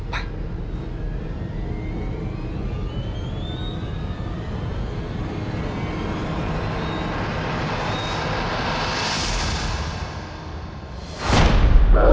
ไปดูเหรอ